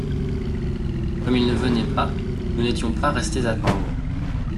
Comme il ne venait pas, nous n’étions pas restés attendre.